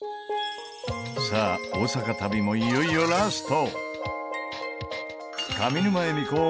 さあ大阪旅もいよいよラスト。